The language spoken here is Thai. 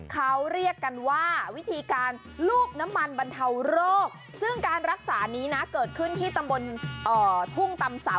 เขาเรียกกันว่าวิธีการลูบน้ำมันบรรเทาโรคซึ่งการรักษานี้นะเกิดขึ้นที่ตำบลทุ่งตำเสา